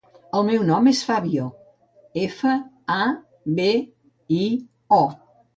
El meu nom és Fabio: efa, a, be, i, o.